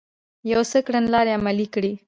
يو څه کړنلارې عملي کړې